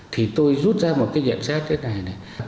thì tôi rút ra một cái nhận xét thế này này